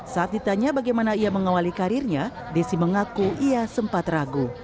saat ditanya bagaimana ia mengawali karirnya desi mengaku ia sempat ragu